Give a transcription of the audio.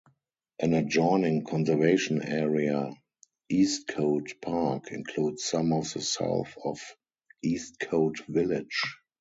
An adjoining conservation area, Eastcote Park, includes some of the south of Eastcote Village.